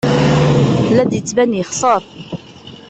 La d-yettban yexṣer.